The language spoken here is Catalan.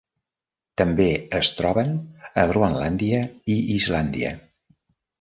També es troben a Groenlàndia i Islàndia.